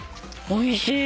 おいしい？